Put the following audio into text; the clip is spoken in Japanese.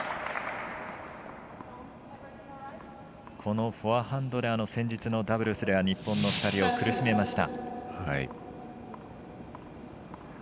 このフォアハンドで先日のダブルスでは日本の２人を苦しめました。